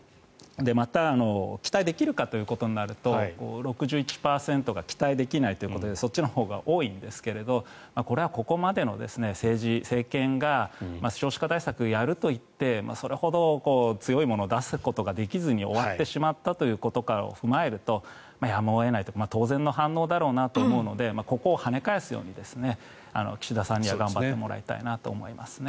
また期待できるかということになると６１％が期待できないということでそっちのほうが多いんですけどこれはここまでの政治、政権が少子化対策をやると言ってそれほど強いものを出すことができずに終わってしまったということを踏まえるとやむを得ない当然の反応だろうなと思うのでここをはね返すように岸田さんには頑張ってもらいたいなと思いますね。